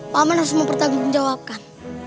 paman harus mempertanggungjawabkan